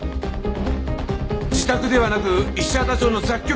自宅ではなく石畑町の雑居ビルです！